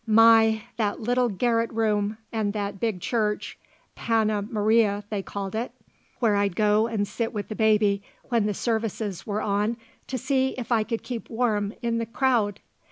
My! that little garret room, and that big church Panna Marya they called it where I'd go and sit with the baby when the services were on to see if I could keep warm in the crowd!